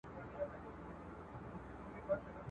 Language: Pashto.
هغه پوهېده چي بې سوادي بده ده.